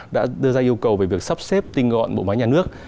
đã đưa ra yêu cầu về việc sắp xếp tinh gọn bộ máy nhà nước